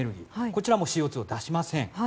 こちらもＣＯ２を出しません。